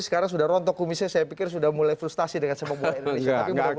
sekarang sudah rontok kumisnya saya pikir sudah mulai frustasi dengan sepak bola indonesia